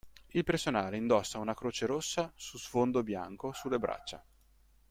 Il personale indossa una croce rossa su sfondo bianco sulle braccia.